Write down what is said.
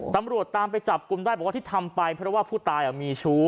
ตำรวจตามไปจับกลุ่มได้บอกว่าที่ทำไปเพราะว่าผู้ตายมีชู้